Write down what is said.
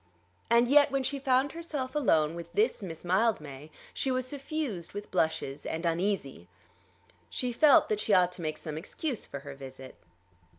And yet, when she found herself alone with this Miss Mildmay, she was suffused with blushes and uneasy. She felt that she ought to make some excuse for her visit.